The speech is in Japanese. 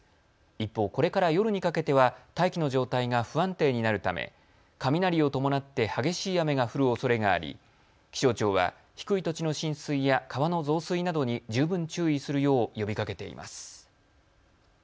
一方、これから夜にかけては大気の状態が不安定になるため雷を伴って激しい雨が降るおそれがあり気象庁は低い土地の浸水や川の増水などに十分注意するよう呼びかけています。